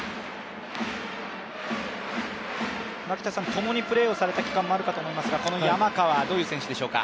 ともにプレーをされた期間もあると思いますが、この山川どういう選手でしょうか。